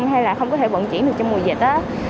hay là không có thể vận chuyển được trong mùa dịch